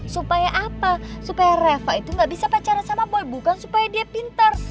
supaya apa supaya revo itu gak bisa pacaran sama boy bukan supaya dia pintar